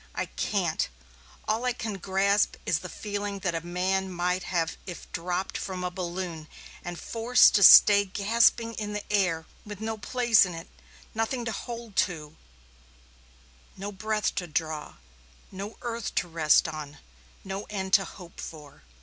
I can't. All I can grasp is the feeling that a man might have if dropped from a balloon and forced to stay gasping in the air, with no place in it, nothing to hold to, no breath to draw, no earth to rest on, no end to hope for.